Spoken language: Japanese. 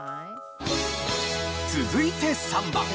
続いて３番。